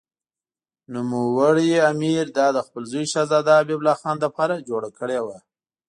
نوموړي امیر دا د خپل زوی شهزاده حبیب الله خان لپاره جوړه کړې وه.